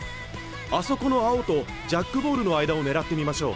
あそこの青とジャックボールの間を狙ってみましょう。